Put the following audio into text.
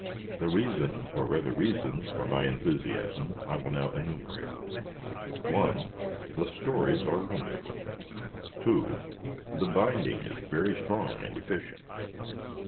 The reason, or rather reasons, for my enthusiasm I will now enumerate. (1) The stories are wonderful. (2) The binding is very strong and efficient.